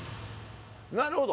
なるほど。